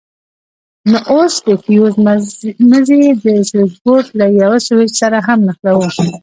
نو اوس د فيوز مزي د سوېچبورډ له يوه سوېچ سره هم نښلوو.